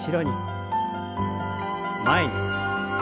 前に。